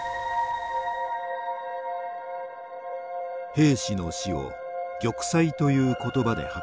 兵士の死を玉砕という言葉で発表した大本営。